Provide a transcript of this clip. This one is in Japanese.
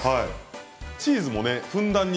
チーズもふんだんに。